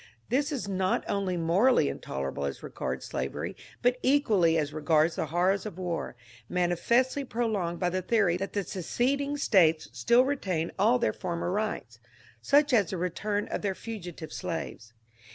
This is not only morally intolerable as regards slavery, but equaUy as regards the horrors of war, manifestly pro longed by the theory that the seceding States still retain all their former rights — such as the return of their fugitive slaves.